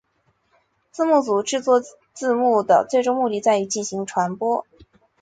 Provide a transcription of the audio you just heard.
政治自由和人权是开放社会的基础。